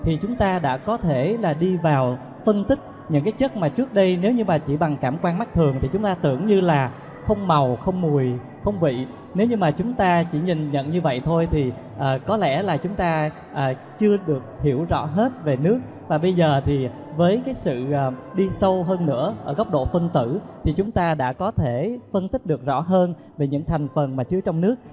thì chúng ta đã có thể là đi vào phân tích những cái chất mà trước đây nếu như mà chỉ bằng cảm quan mắt thường thì chúng ta tưởng như là không màu không mùi không vị nếu như mà chúng ta chỉ nhìn nhận như vậy thôi thì có lẽ là chúng ta chưa được hiểu rõ hết về nước và bây giờ thì với cái sự đi sâu hơn nữa ở góc độ phân tử thì chúng ta đã có thể phân tích được rõ hơn về những thành phần mà chứa trong nước